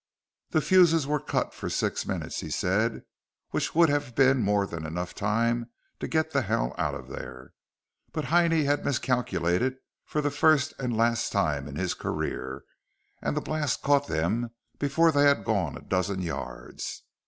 The fuses were cut for six minutes, he said, which would have been more than enough time to get the hell out of there. But Heinie had miscalculated for the first and last time in his career, and the blast caught them before they had gone a dozen yards.